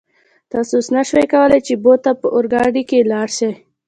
تاسو اوس نشئ کولای چې بو ته په اورګاډي کې لاړ شئ.